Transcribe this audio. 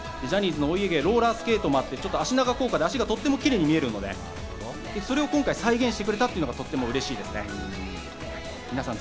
幾何学的でジャニーズのお家芸、ローラースケートもあって、脚長効果で脚がとってもきれいに見えるので、今回、それを再現してくれたのがとても嬉しいですね。